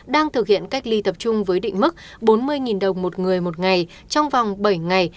đang thực hiện cách ly tập trung với định mức bốn mươi đồng một người một ngày trong vòng bảy ngày